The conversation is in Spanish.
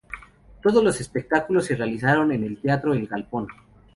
Todos los espectáculos se realizaron en el Teatro El Galpón.